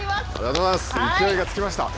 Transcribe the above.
勢いがつきました。